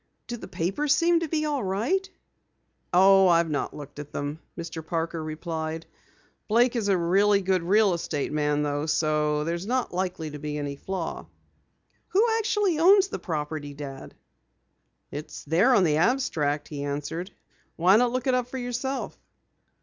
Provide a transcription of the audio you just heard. "Do the papers seem to be all right?" "Oh, I've not looked at them," Mr. Parker replied. "Blake is a good real estate man though, so there's not likely to be any flaw." "Who actually owns the property, Dad?" "It's there on the abstract," he answered. "Why not look it up for yourself?"